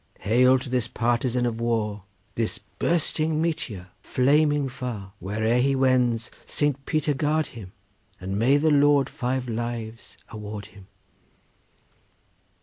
Hail to this partisan of war, This bursting meteor flaming far! Where'er he wends Saint Peter guard him, And may the Lord five lives award him!